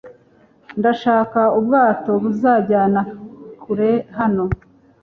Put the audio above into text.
Ndashaka ubwato buzanjyana kure hano.